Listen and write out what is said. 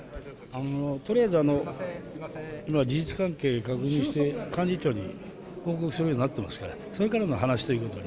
とりあえず今、事実関係確認して、幹事長に報告するようになってますから、それからの話ということで。